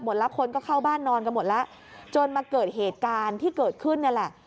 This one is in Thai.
คนก็เข้าบ้านนอนกันหมดแล้วจนมาเกิดเหตุการณ์ที่เกิดขึ้นนี่แหละ